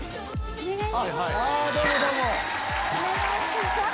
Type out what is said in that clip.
お願いします。